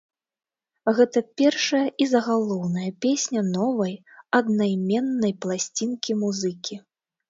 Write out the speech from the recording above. Гэта першая і загалоўная песня новай, аднайменнай пласцінкі музыкі.